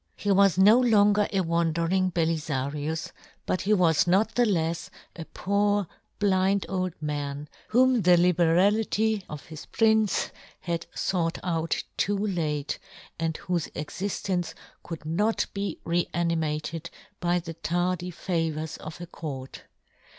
He was no longer a wandering Be lifarius; but he was not thelefs a poor blind old man, whom the liberality of his prince had fought out too late, and whofe exiflence could not be re animated by the tardy favours of a court.